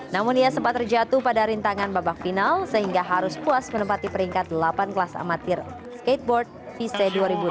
namun ia sempat terjatuh pada rintangan babak final sehingga harus puas menempati peringkat delapan kelas amatir skateboard vise dua ribu delapan belas